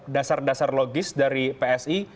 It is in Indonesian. dasar dasar logis dari psi